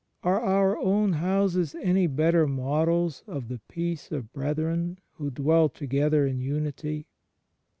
Are our own houses any better models of the peace of brethren who dwell together in unity?